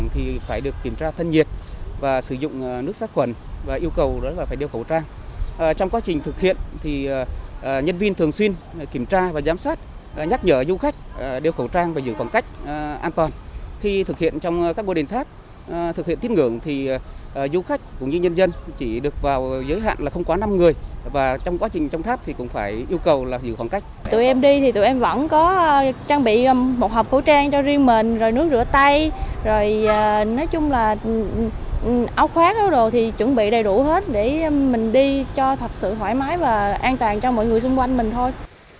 tụi em đi thì tụi em vẫn có trang bị một hộp khẩu trang cho riêng mình rồi nước rửa tay rồi nói chung là áo khoác các đồ thì chuẩn bị đầy đủ hết để mình đi cho thật sự thoải mái và an toàn cho mọi người xung quanh mình thôi